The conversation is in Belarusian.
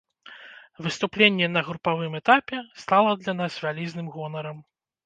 Выступленне на групавым этапе стала для нас вялізным гонарам.